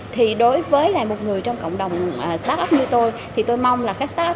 thì đối với một người trong cộng đồng start up như tôi thì tôi mong là các start up